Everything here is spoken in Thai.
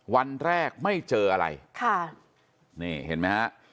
วันแรกไม่เจออะไรค่ะนี่เห็นไหมฮะ